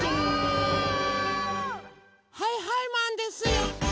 はいはいマンですよ。